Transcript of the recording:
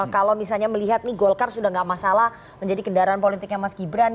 kalau misalnya melihat nih golkar sudah tidak masalah menjadi kendaraan politiknya mas gibran